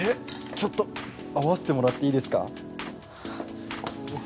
ちょっと合わせてもらっていいですか？